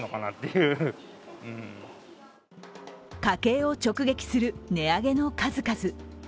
家計を直撃する値上げの数々。